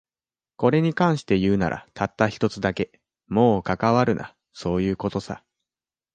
これに関して言うなら、たった一つだけ。もう関わるな、そういう事さ。